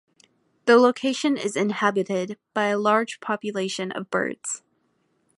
The location is inhabited by a large population of birds.